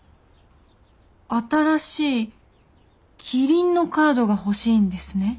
新しいキリンのカードが欲しいんですね。